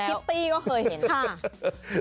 แมวคิตตีก็เคยเห็น